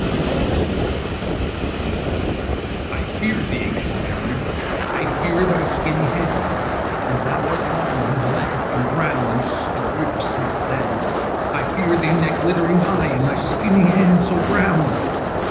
PART THE FOURTH. "I fear thee, ancient Mariner! I fear thy skinny hand! And thou art long, and lank, and brown, As is the ribbed sea sand. "I fear thee and thy glittering eye, And thy skinny hand, so brown."